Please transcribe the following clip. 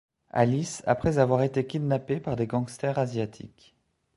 Alice après avoir été kidnappée par des gangsters asiatiques.